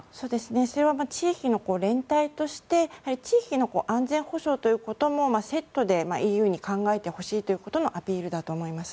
それは地域の連帯として地域の安全保障ということもセットでＥＵに考えてほしいということのアピールだと思います。